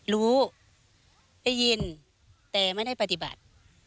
รู้ได้ยินแต่ไม่ได้ปฏิบัติ